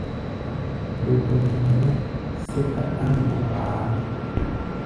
Dodom nɛ mɛ́ sɛ́ká ɗáŋmɔ kpaáʼm.